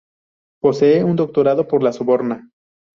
Posee un doctorado por La Sorbona.